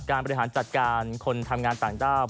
การประหลาดจัดการคนทำงานต่างวิตรธรรม